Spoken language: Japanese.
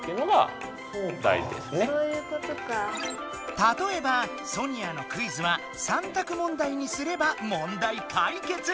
たとえばソニアのクイズは３択問題にすれば問題かいけつ！